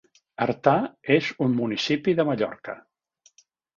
Artà és un municipi de Mallorca.